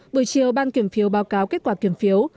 buổi chiều ban kiểm phiếu báo cáo kết quả kiểm phiếu